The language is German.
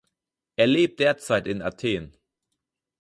Er lebt derzeit in Athen.